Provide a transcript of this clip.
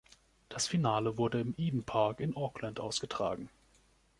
Das Finale wurde im Eden Park in Auckland ausgetragen.